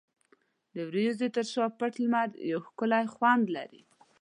د وریځو تر شا پټ لمر یو ښکلی خوند لري.